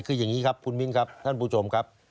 คืออย่างนี้ครับคุณมิ้นครับท่านผู้ชมครับ